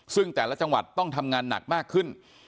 ซึ่งแต่ละจังหวัดต้องทำงานหนักมากขึ้น